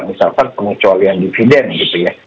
misalkan pengecualian dividen gitu ya